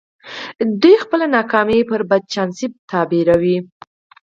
دوی خپله ناکامي پر بد چانسۍ تعبيروي.